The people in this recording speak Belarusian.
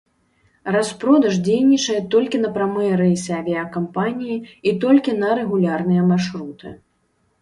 Распродаж дзейнічае толькі на прамыя рэйсы авіякампаніі і толькі на рэгулярныя маршруты.